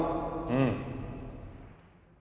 うん。